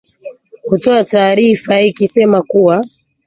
kutoa taarifa ikisema kuwa